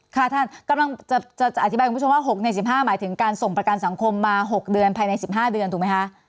ค่ะท่านกำลังจะอธิบายคุณผู้ชมว่า๖ใน๑๕หมายถึงการส่งประกันสังคมมา๖เดือนภายใน๑๕เดือนถูกไหมคะ